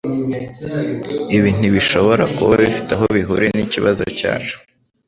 Ibi ntibishobora kuba bifite aho bihuriye nikibazo cyacu.